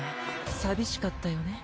さびしかったよね？